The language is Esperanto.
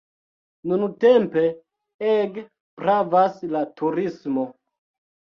Nuntempe ege gravas la turismo.